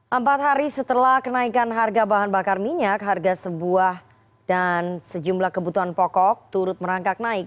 empat hari setelah kenaikan harga bahan bakar minyak harga sebuah dan sejumlah kebutuhan pokok turut merangkak naik